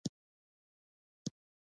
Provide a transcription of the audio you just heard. هغه مذهبي سخت دریځه و.